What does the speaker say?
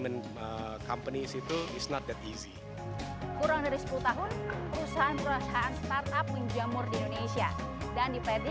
dan pembayaran itu tidak begitu mudah